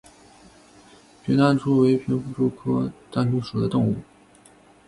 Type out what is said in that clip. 平单蛛为平腹蛛科单蛛属的动物。